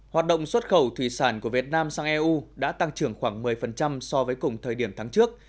hoạt động xuất khẩu thủy sản của việt nam sang eu đã tăng trưởng khoảng một mươi so với cùng thời điểm tháng trước